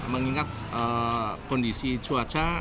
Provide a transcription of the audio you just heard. mengingat kondisi cuaca pada hari ini